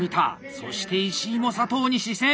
そして石井も佐藤に視線！